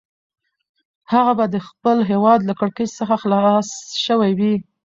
هغه به د خپل هیواد له کړکېچ څخه خلاص شوی وي.